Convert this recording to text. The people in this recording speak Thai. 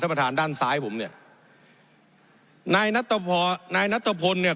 ประธานด้านซ้ายผมเนี่ยนายนัตรพรนายนัตตะพลเนี่ย